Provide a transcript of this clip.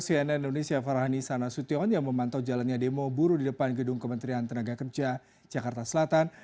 cnn indonesia farhani sanasution yang memantau jalannya demo buruh di depan gedung kementerian tenaga kerja jakarta selatan